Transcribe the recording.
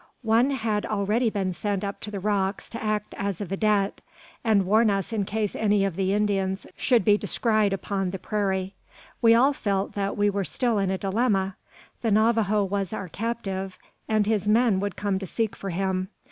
One had already been sent up to the rocks to act as a vidette, and warn us in case any of the Indians should be descried upon the prairie. We all felt that we were still in a dilemma. The Navajo was our captive, and his men would come to seek for him.